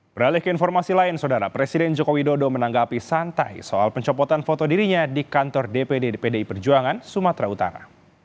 beralih ke informasi lain saudara presiden joko widodo menanggapi santai soal pencopotan foto dirinya di kantor dpd pdi perjuangan sumatera utara